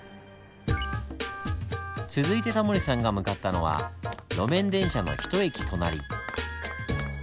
続いてタモリさんが向かったのは路面電車の１駅隣。